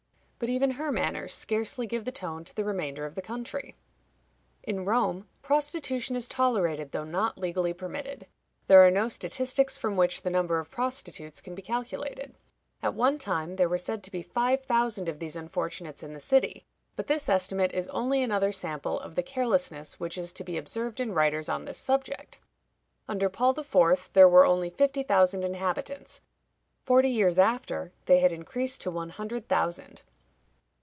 But even her manners scarcely give the tone to the remainder of the country. In Rome, prostitution is tolerated, though not legally permitted. There are no statistics from which the number of prostitutes can be calculated. At one time there were said to be five thousand of these unfortunates in the city; but this estimate is only another sample of the carelessness which is to be observed in writers on this subject. Under Paul IV. there were only fifty thousand inhabitants; forty years after they had increased to one hundred thousand.